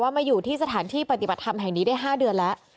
มาอยู่ที่สถานที่ปฏิบัติธรรมแห่งนี้ได้๕เดือนแล้ว